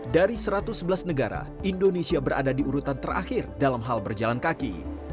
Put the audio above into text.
dari satu ratus sebelas negara indonesia berada di urutan terakhir dalam hal berjalan kaki